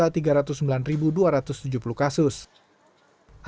adapun penambahan kasus di dki jakarta adalah tertinggi